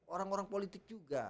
orang orang politik juga